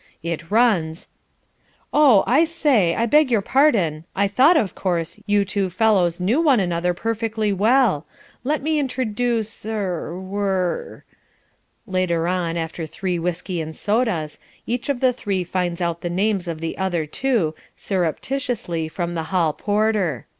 It runs "Oh, I say, I beg your pardon I thought, of course, you two fellows knew one another perfectly well let me introduce urr wurr " Later on, after three whiskey and sodas, each of the three finds out the names of the other two, surreptitiously from the hall porter.